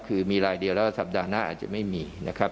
คือมีรายเดียวแล้วสัปดาห์หน้าอาจจะไม่มีนะครับ